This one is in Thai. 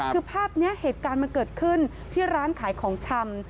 คือภาพละกันมันเกิดขึ้นที่ร้านขายของชำ